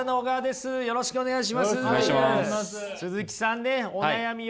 鈴木さんねお悩み